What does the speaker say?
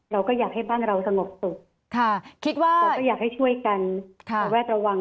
เราก็อยากให้บ้านเราสงบสุดเราอยากให้ช่วยกันเป็นแวะตระวัง